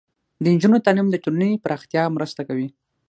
د نجونو تعلیم د ټولنې پراختیا مرسته کوي.